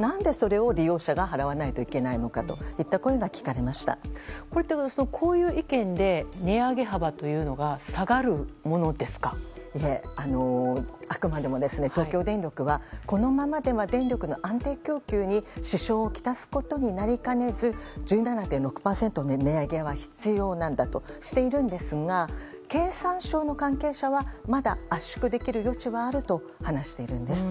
何でそれを利用者が払わなければいけないんだというこういう意見で値上げ幅というのがいえ、あくまでも東京電力はこのままでは電力の安定供給に支障をきたすことになりかねず１７．６％の値上げは必要なんだとしているんですが経産省の関係者はまだ圧縮できる余地はあると話しているんです。